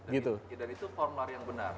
dan itu form lari yang benar